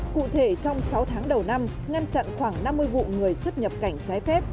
cụ thể trong sáu tháng đầu năm ngăn chặn khoảng năm mươi vụ người xuất nhập cảnh trái phép